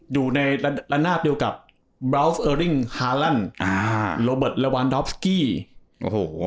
อยู่ในล้านาดเดียวกับบราวเวิลลิงฮาลันด์อ่าโรเบิร์ตเลวานดอฟสกี้โอ้โห